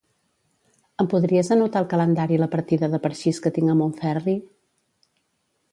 Em podries anotar al calendari la partida de parxís que tinc a Montferri?